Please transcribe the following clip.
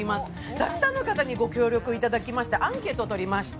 たくさんの方にご協力いただいてアンケートとりました。